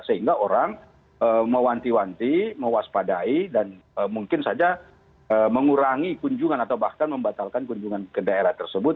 sehingga orang mewanti wanti mewaspadai dan mungkin saja mengurangi kunjungan atau bahkan membatalkan kunjungan ke daerah tersebut